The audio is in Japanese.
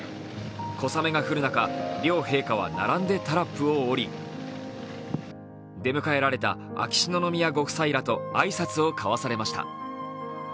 小雨が降る中、両陛下は並んでタラップを降り出迎えられた秋篠宮ご夫妻らと挨拶を交わされました。